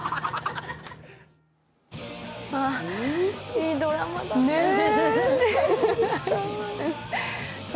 いいドラマだった。